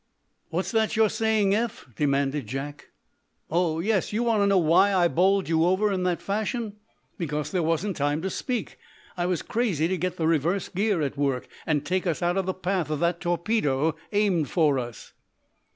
"What's that you're saying, Eph?" demanded Jack. "Oh, yes; you want to know why I bowled you over in that fashion. Because there wasn't time to speak. I was crazy to get the reverse gear at work, and take us out of the path of that torpedo aimed for us."